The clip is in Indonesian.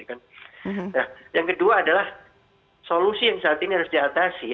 nah yang kedua adalah solusi yang saat ini harus diatasi